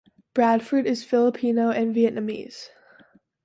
Bradford is Filipino and Vietnamese.